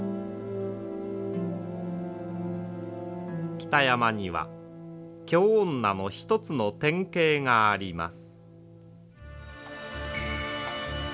北山には京女の一つの典型があります。